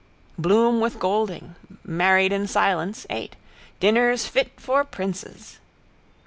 Bloom with Goulding, married in silence, ate. Dinners fit for princes.